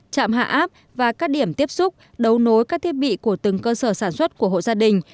chạm hạ áp và các điểm tiếp xúc đấu nối các thiết bị của từng cơ sở sản xuất của hộ gia đình